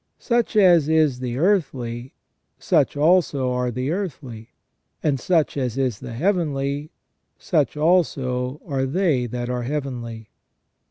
Such as is the earthly, such also are the earthly : and such as is the heavenly, such also are they that are heavenly.